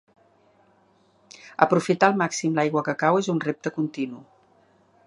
Aprofitar al màxim l'aigua que cau és un repte continu.